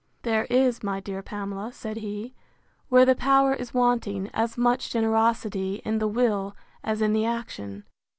There is, my dear Pamela, said he, where the power is wanting, as much generosity in the will as in the action.